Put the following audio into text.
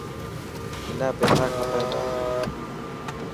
منا پيسا کپي تا.